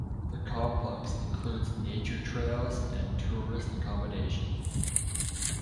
The complex includes nature trails and tourist accommodation.